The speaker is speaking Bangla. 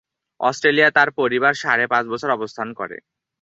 অস্ট্রেলিয়ায় তার পরিবার সাড়ে পাঁচ বছর অবস্থান করে।